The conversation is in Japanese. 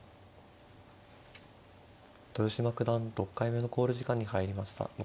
豊島九段６回目の考慮時間に入りました。